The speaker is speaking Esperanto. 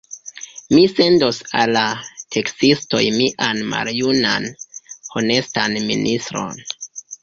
Mi sendos al la teksistoj mian maljunan honestan ministron!